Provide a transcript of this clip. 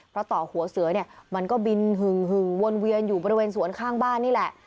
เพราะต่อหัวเสือเนี่ยมันก็บินหึงวนเวียนอยู่บริเวณสวนข้างบ้านนี่แหละ